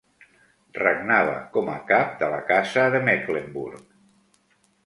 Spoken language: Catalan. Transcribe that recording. Regnava com a cap de la Casa de Mecklenburg.